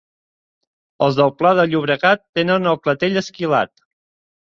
Els del pla de Llobregat tenen el clatell esquilat.